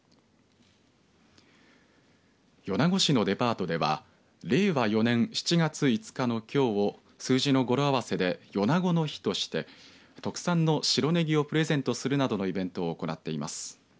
米子市のデパートでは令和４年７月５日のきょうを数字の語呂合わせで４７５の日として特産の白ネギをプレゼントするなどのイベントを行っています。